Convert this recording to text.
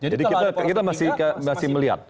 jadi kita masih melihat